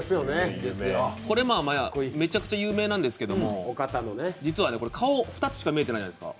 これもめちゃくちゃ有名なんですけど、実は顔、２つしか見えてないじゃないですか。